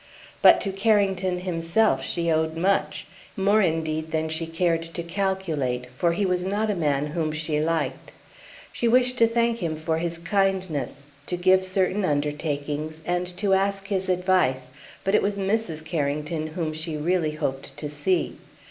But to Carrington himself she owed much more indeed than she cared to calculate for he was not a man whom she liked. She wished to thank him for his kindness, to give certain undertakings and to ask his advice, but it was Mrs. Carrington whom she really hoped to see.